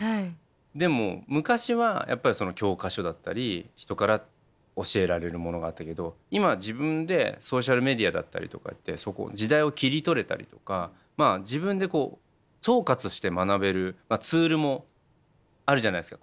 でも昔はやっぱり教科書だったり人から教えられるものがあったけど今は自分でソーシャルメディアだったりとかって時代を切り取れたりとか自分でこう総括して学べるツールもあるじゃないですか